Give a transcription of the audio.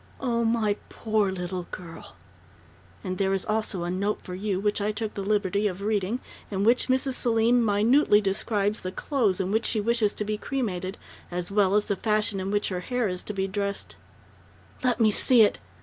"Oh, my poor little girl " "And there is also a note for you, which I took the liberty of reading, in which Mrs. Selim minutely describes the clothes in which she wishes to be cremated, as well as the fashion in which her hair is to be dressed " "Let me see it!"